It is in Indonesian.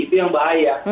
itu yang bahaya